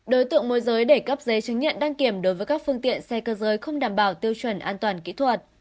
đối tượng môi giới để cấp giấy chứng nhận đăng kiểm đối với các phương tiện xe cơ giới không đảm bảo tiêu chuẩn an toàn kỹ thuật